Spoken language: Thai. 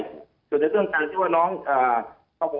ที่เกี่ยวกับเฌาเดี๋ยวหรือป่ะเขาไม่ได้อยู่ประเทศไทยมานาน